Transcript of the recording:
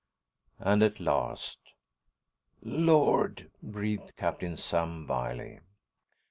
And at last.... "Lord," breathed Captain Sam Wiley.